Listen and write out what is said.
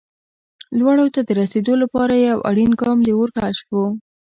لوړو ته د رسېدو لپاره یو اړین ګام د اور کشف و.